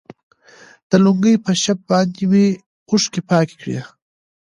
د لونګۍ په شف باندې مې اوښكې پاكې كړي.